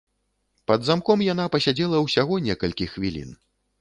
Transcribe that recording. Пад замком яна пасядзела ўсяго некалькі хвілін.